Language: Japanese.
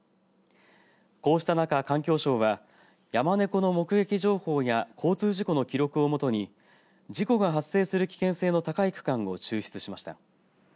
こうした中、環境省はヤマネコの目撃情報や交通事故の記録を基に事故が発生する危険性の高い区間を抽出しました。